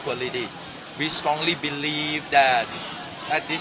คุณคิดเรื่องนี้ได้ไหม